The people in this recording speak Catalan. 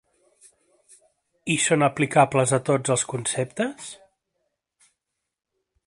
I són aplicables a tots els conceptes?